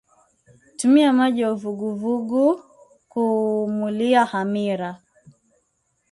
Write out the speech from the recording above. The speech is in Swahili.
tumia maji ya uvuguvugu kuumulia hamira